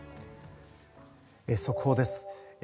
速報です。